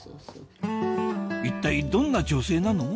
一体どんな女性なの？